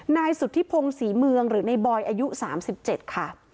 นายสุธิพงศรีเมืองหรือในบอยอายุ๓๗ค่ะ